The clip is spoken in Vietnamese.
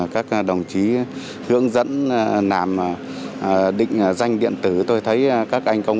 lâu nay được biết là định danh điện tử còn nhiều tiện ích hơn nữa